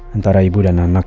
antara ibu dan anak